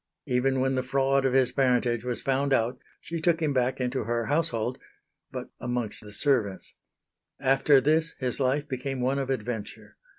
Even when the fraud of his parentage was found out she took him back into her household but amongst the servants. After this his life became one of adventure.